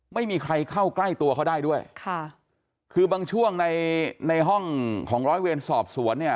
ไม่มีใครเข้าใกล้ตัวเขาได้ด้วยค่ะคือบางช่วงในในห้องของร้อยเวรสอบสวนเนี่ย